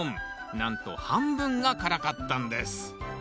なんと半分が辛かったんです。